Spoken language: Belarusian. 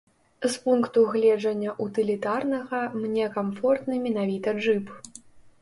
З пункту гледжання утылітарнага, мне камфортны менавіта джып.